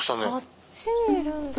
あっちにいるんだ。